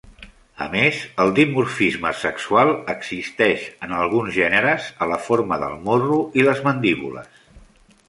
A més, el dimorfisme sexual existeix en alguns gèneres a la forma del morro i les mandíbules.